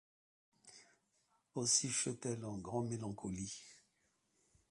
Aussy cheut-elle en grant mélancholie.